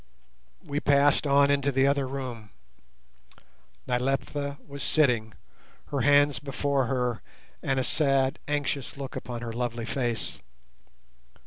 We passed on into the other room. Nyleptha was sitting, her hands before her, and a sad anxious look upon her lovely face.